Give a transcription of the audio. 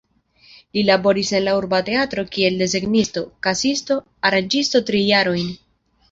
Li laboris en la urba teatro kiel desegnisto, kasisto, aranĝisto tri jarojn.